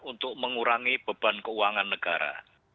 untuk mengurangi beban keuangan negara